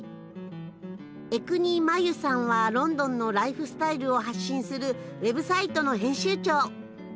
江國まゆさんはロンドンのライフスタイルを発信するウェブサイトの編集長。